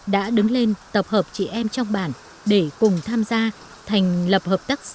đã đứng lên tập hợp chị em trong bản để cùng tham gia thành lập hợp tác xã